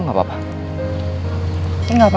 enggak usah aku bisa sendiri kok